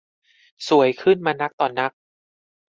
สวยขึ้นมานักต่อนัก